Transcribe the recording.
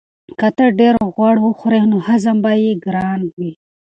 که ته ډېر غوړ وخورې نو هضم به یې ګران وي.